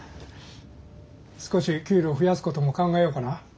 少し給料増やすことも考えようかな。